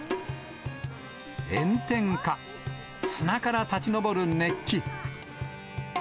炎天下、砂から立ち上る熱気。